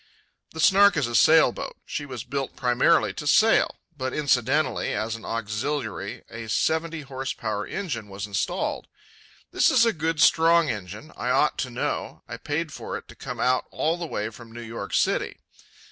The Snark is a sail boat. She was built primarily to sail. But incidentally, as an auxiliary, a seventy horse power engine was installed. This is a good, strong engine. I ought to know. I paid for it to come out all the way from New York City.